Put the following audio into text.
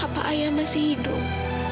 apa ayah masih hidup